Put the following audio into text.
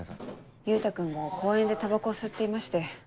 優太君が公園でタバコを吸っていまして。